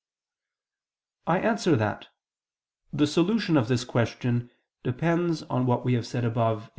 I answer that, The solution of this question depends on what we have said above (A.